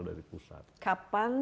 dari pusat kapan